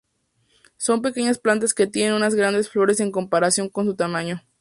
Son pequeñas plantas que tienen unas grandes flores en comparación con su tamaño.